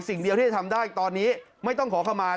สิ่งเดียวที่จะทำได้ตอนนี้ไม่ต้องขอเข้ามา